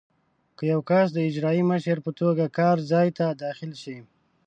که یو کس د اجرایي مشر په توګه کار ځای ته داخل شي.